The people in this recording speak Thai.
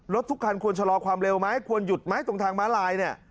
ทุกคันควรชะลอความเร็วไหมควรหยุดไหมตรงทางม้าลายเนี่ย